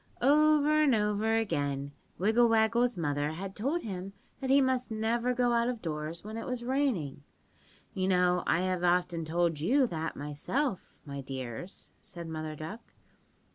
"Over and over again Wiggle Waggle's mother had told him that he must never go out of doors when it was raining. (You know I have often told you that myself, my dears," said Mother Duck.